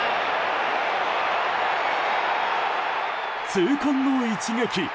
痛恨の一撃。